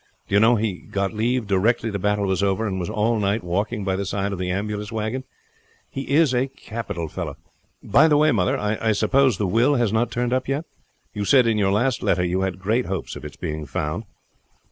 Do you know, he got leave directly the battle was over, and was all night walking by the side of the ambulance wagon. He is a capital fellow. By the way, mother, I suppose the will has not turned up yet? You said in your last letter you had great hopes of its being found."